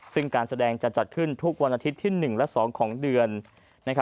ซึ่งการแสดงจะจัดขึ้นทุกวันอาทิตย์ที่๑และ๒ของเดือน